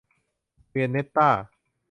เวียนเน็ตต้า